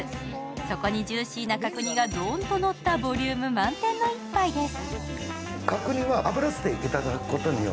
そこにジューシーな角煮がどーんとのったボリューム満点の一杯です。